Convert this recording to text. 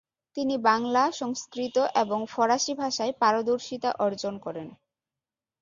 তিনি বাংলা, সংস্কৃত এবং ফরাসি ভাষায় পারদর্শিতা অর্জন করেন।